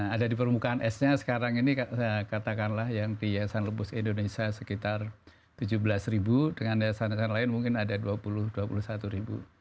ada di permukaan esnya sekarang ini katakanlah yang pria san lubus indonesia sekitar tujuh belas ribu dengan desa desa lain mungkin ada dua puluh dua puluh satu ribu